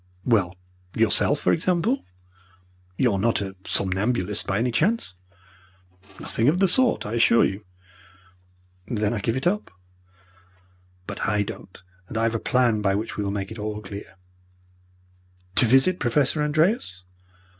"Well, yourself, for example. You are not a somnambulist, by any chance?" "Nothing of the sort, I assure you." "Then I give it up." "But I don't and I have a plan by which we will make it all clear." "To visit Professor Andreas?"